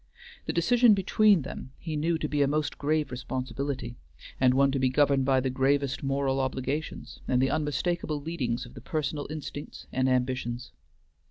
The decision between them he knew to be a most grave responsibility, and one to be governed by the gravest moral obligations, and the unmistakable leadings of the personal instincts and ambitions.